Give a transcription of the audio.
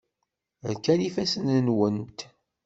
Rkan yifassen-nwent.